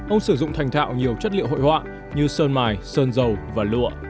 ông sử dụng thành thạo nhiều chất liệu hội họa như sơn mài sơn dầu và lụa